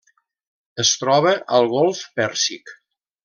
Es troba al golf Pèrsic.